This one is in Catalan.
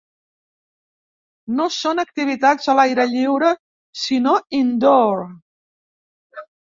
No són activitats a l'aire lliure, sinó "indoor".